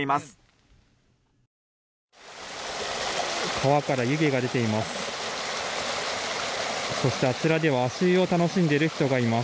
川から湯気が出ています。